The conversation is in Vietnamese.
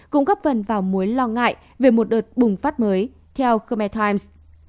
cũng góp vần vào mối lo ngại về một đợt bùng phát mới theo khmer times